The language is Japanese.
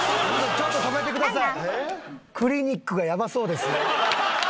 ちょっと止めてください。